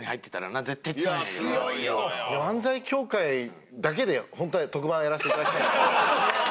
漫才協会だけで本当は特番やらせていただきたいんですけど。